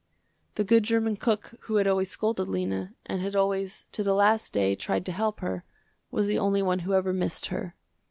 The good german cook who had always scolded Lena, and had always to the last day tried to help her, was the only one who ever missed her.